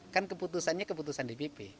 kan keputusannya keputusan dpp